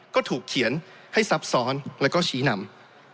ก็ถูกเขียนให้ซับซ้อนแล้วก็ชี้นำ